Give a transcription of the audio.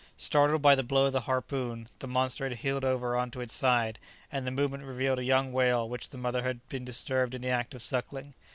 Startled by the blow of the harpoon the monster had heeled over on to its side, and the movement revealed a young whale which the mother had been disturbed in the act of suckling.